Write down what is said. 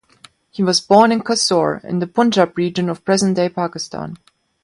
He was born in Kasur, in the Punjab region of present-day Pakistan.